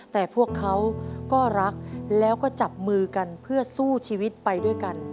แต่พวกเขาก็รักแล้วก็จับมือกันเพื่อสู้ชีวิตไปด้วยกัน